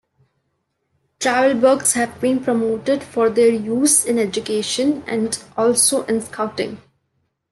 Travel bugs have been promoted for their use in education, and also in Scouting.